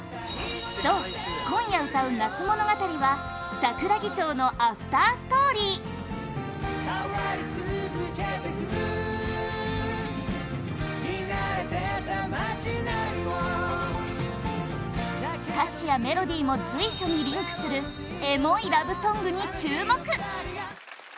そう、今夜歌う「ＮＡＴＳＵＭＯＮＯＧＡＴＡＲＩ」は「桜木町」のアフターストーリー歌詞やメロディーも随所にリンクするエモいラブソングに注目！